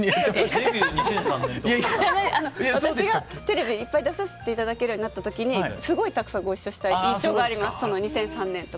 私がテレビにいっぱい出させていただけるようになった時にすごい、たくさんご一緒した印象があります、２００３年とか。